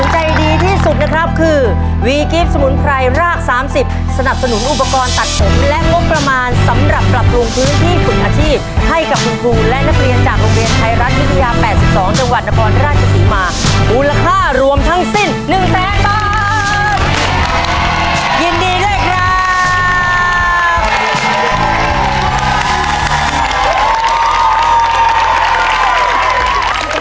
ใจดีที่สุดนะครับคือวีกิฟต์สมุนไพรรากสามสิบสนับสนุนอุปกรณ์ตัดผมและงบประมาณสำหรับปรับปรุงพื้นที่ฝึกอาชีพให้กับคุณครูและนักเรียนจากโรงเรียนไทยรัฐวิทยา๘๒จังหวัดนครราชศรีมามูลค่ารวมทั้งสิ้น๑แสนบาทยินดีด้วยครับ